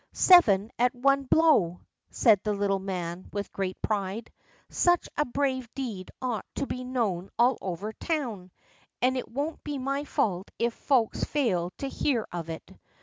"Seven at one blow!" said the little man with great pride. "Such a brave deed ought to be known all over the town, and it won't be my fault if folks fail to hear of it."